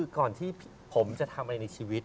ก่อนที่ผมจะทำอะไรในชีวิต